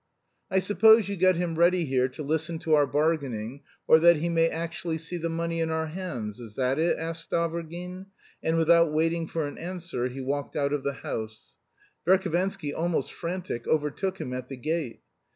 "I suppose you got him ready here to listen to our bargaining, or that he may actually see the money in our hands. Is that it?" asked Stavrogin; and without waiting for an answer he walked out of the house. Verhovensky, almost frantic, overtook him at the gate.